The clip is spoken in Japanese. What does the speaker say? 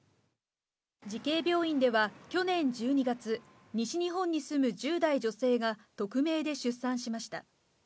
慈恵病院では去年１２月、西日本に住む１０代女性が、匿名で出産しました。